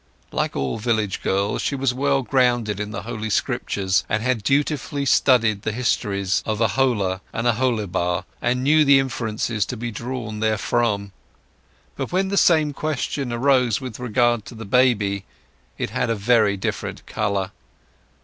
Like all village girls, she was well grounded in the Holy Scriptures, and had dutifully studied the histories of Aholah and Aholibah, and knew the inferences to be drawn therefrom. But when the same question arose with regard to the baby, it had a very different colour.